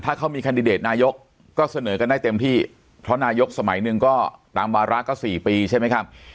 ถ้าเขามีแคนดิเดตนายกก็เสนอกันได้เต็มที่เพราะนายกสมัยหนึ่งก็ตามวาระก็๔ปีใช่ไหมครับ